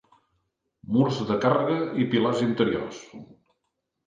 Murs de càrrega i pilars interiors.